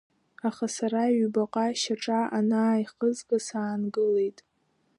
Аха сара ҩбаҟа шьаҿа анааихызга, саангылеит.